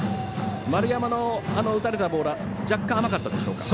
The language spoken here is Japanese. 丸山の打たれたボールは若干甘かったでしょうか。